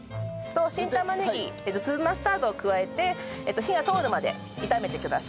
新玉ねぎ粒マスタードを加えて火が通るまで炒めてください。